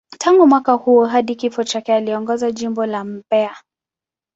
Tangu mwaka huo hadi kifo chake, aliongoza Jimbo la Mbeya.